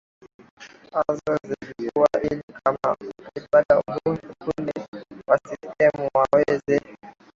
azo zilikuwa ili kama akipata ubunge ule wa ccm waweze